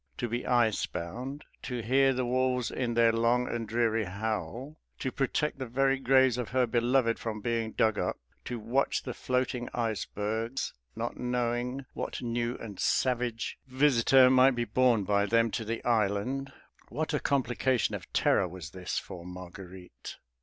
To be ice bound, to hear the wolves in their long and dreary howl, to protect the very graves of her beloved from being dug up, to watch the floating icebergs, not knowing what new and savage visitor might be borne by them to the island, what a complication of terror was this for Marguerite!